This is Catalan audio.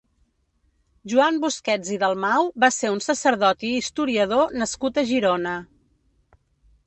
Joan Busquets i Dalmau va ser un sacerdot i historiador nascut a Girona.